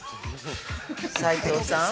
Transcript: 斉藤さん？